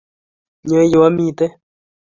nyoo yuu amite